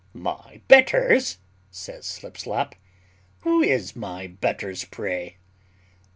"My betters," says Slipslop, "who is my betters, pray?"